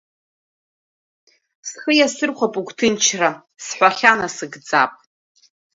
Схы иасырхәап угәҭынчра, сҳәахьа насыгӡап.